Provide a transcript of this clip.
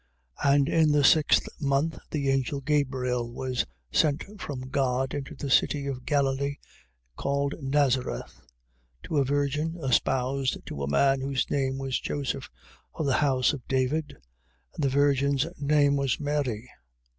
1:26. And in the sixth month, the angel Gabriel was sent from God into a city of Galilee, called Nazareth, 1:27. To a virgin espoused to a man whose name was Joseph, of the house of David: and the virgin's name was Mary.